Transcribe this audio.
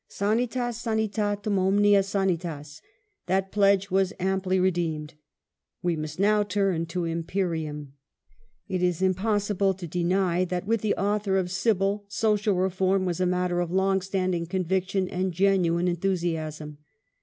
Sanitas sanitatum omnia sanitas. That pledge was amply re deemed. We must now turn to Imperium. It is impossible to deny that with the author of Sybil social Imperium reform was a matter of long standing conviction and genuine enthusiasm.